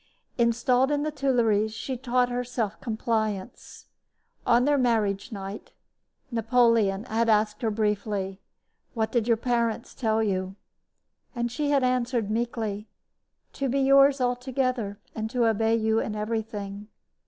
Installed in the Tuileries, she taught herself compliance. On their marriage night Napoleon had asked her briefly: "What did your parents tell you?" And she had answered, meekly: "To be yours altogether and to obey you in everything."